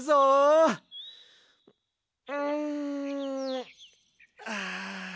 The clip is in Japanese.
うんああ！